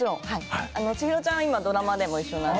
千尋ちゃんは今、ドラマでも一緒なんで。